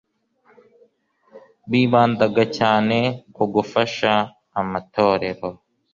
bibandaga cyane ku gufasha amatorero